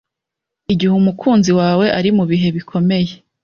Igihe umukunzi wawe ari mu bihe bikomeye,